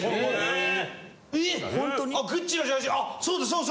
そうです